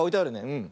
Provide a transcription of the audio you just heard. うん。